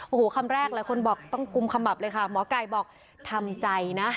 โอ้โหคำแรกหลายคนบอกต้องกุมขมับเลยค่ะหมอไก่บอกทำใจนะ